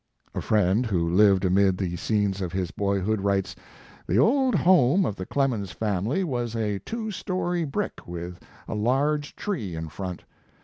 A friend who lived amid the scenes of his boyhood, writes: "The old home of the Clemens family was a two story brick, with a large tree in front.